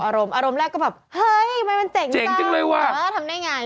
อารมณ์แรกก็แบบเฮ้ยมันเจ๋งจังเออเดี๋ยวทำได้ไง